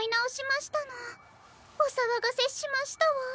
おさわがせしましたわ。